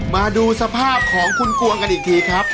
มาดูสภาพของคุณกวงกันอีกทีครับ